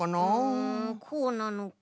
うんこうなのか？